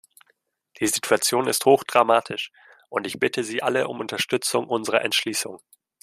Die Situation ist hochdramatisch, und ich bitte Sie alle um Unterstützung unserer Entschließung.